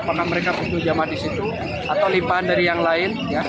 apakah mereka butuh jamaah di situ atau limpahan dari yang lain